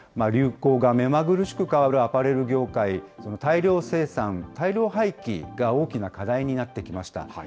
流行が目まぐるしく変わるアパレル業界、その大量生産、大量廃棄が大きな課題になってきました。